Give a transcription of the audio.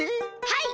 はい！